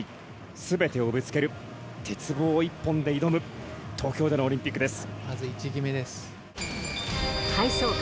全てをぶつける鉄棒１本で挑む東京でのオリンピックです。